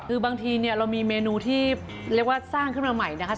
คือบางทีเนี่ยเรามีเมนูที่เรียกว่าสร้างขึ้นมาใหม่นะคะ